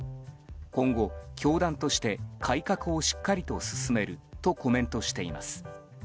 今後、教団として改革をしっかりと進めるとコメントしています。